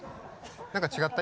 何か違った？